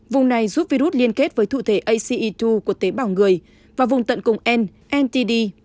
vùng này giúp virus liên kết với thụ thể ace hai của tế bảo người và vùng tận cùng n ntd